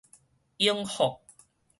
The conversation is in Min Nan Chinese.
永福